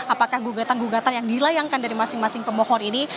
apakah gugatan gugatan yang dilayangkan dari masing masing pemohon ini